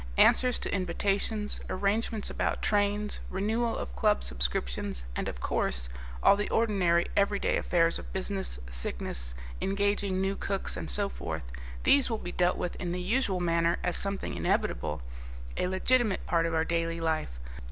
Answers to invitations, arrangements about trains, renewal of club subscriptions, and, of course, all the ordinary everyday affairs of business, sickness, engaging new cooks, and so forth, these will be dealt with in the usual manner as something inevitable, a legitimate part of our daily life.